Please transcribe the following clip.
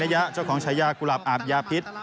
นักมวยนัยะเจ้าของชายากุหลับอาบยาพิษ